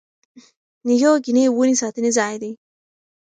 نیو ګیني ونې ساتنې ځای دی.